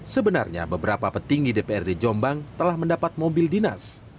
sebenarnya beberapa petinggi dprd jombang telah mendapat mobil dinas